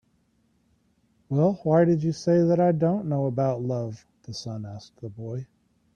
"Well, why did you say that I don't know about love?" the sun asked the boy.